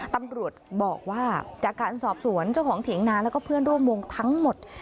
ตำรวจบอกว่าจากการสอบสวนเจ้าของเถียงนาแล้วก็เพื่อนร่วมวงทั้งหมด